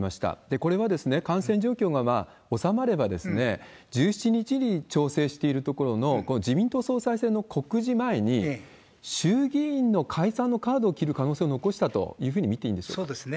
これは感染状況が収まれば、１７日に調整しているところの、この自民党総裁選の告示前に、衆議院の解散のカードを切る可能性を残したというふうに見ていいそうですね。